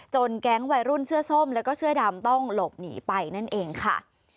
แก๊งวัยรุ่นเสื้อส้มแล้วก็เสื้อดำต้องหลบหนีไปนั่นเองค่ะ